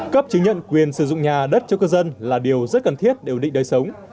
cấp chứng nhận quyền sử dụng nhà đất cho cư dân là điều rất cần thiết để ổn định đời sống